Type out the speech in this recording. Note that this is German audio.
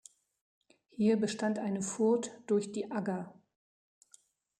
Hier bestand eine Furt durch die Agger.